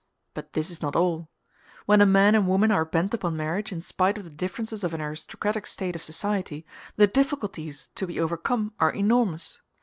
But this is not all. When a man and woman are bent upon marriage in spite of the differences of an aristocratic state of society, the difficulties to be overcome are enormous.